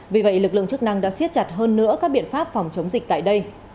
vì vậy lực lượng chức năng đã siết chặt hơn nữa các biện pháp phòng chống dịch tại đây